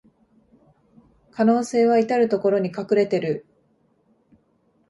可能性はいたるところに隠れてる